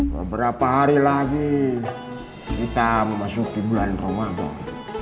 beberapa hari lagi kita memasuki bulan ramadan